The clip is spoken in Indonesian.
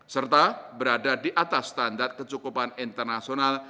serta berada di atas standar kecukupan internasional